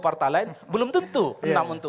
partai lain belum tentu enam untuk